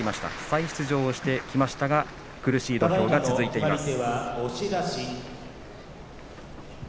再出場してきましたが苦しい土俵が続いています。